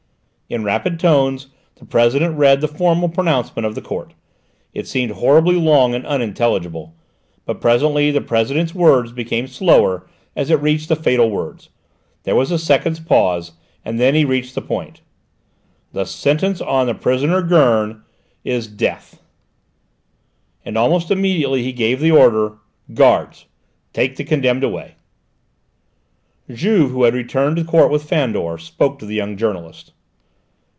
In rapid tones the President read the formal pronouncement of the Court. It seemed horribly long and unintelligible, but presently the President's voice became slower as it reached the fatal words: there was a second's pause, and then he reached the point: " the sentence on the prisoner Gurn is death." And almost simultaneously he gave the order: "Guards, take the condemned away!" Juve, who had returned to court with Fandor, spoke to the young journalist.